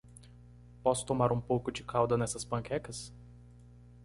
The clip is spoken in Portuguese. Posso tomar um pouco de calda nessas panquecas?